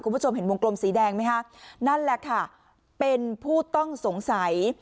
คุณผู้ชมเห็นวงกลมสีแดงไหมคะนั่นแหละค่ะเป็นผู้ต้องสงสัย